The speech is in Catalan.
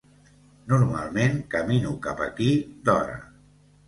Normalment camino cap aquí d'hora.